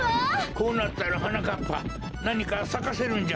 こうなったらはなかっぱなにかさかせるんじゃ。